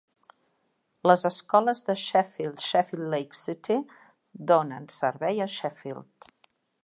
Les escoles de Sheffield-Sheffield Lake City donen servei a Sheffield.